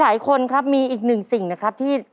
หลายคนครับมีอีกหนึ่งสิ่งนะครับที่